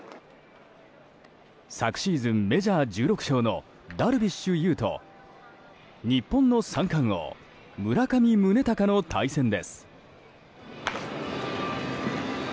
昨シーズン、メジャー１６勝のダルビッシュ有と日本の三冠王村上宗隆の対戦です。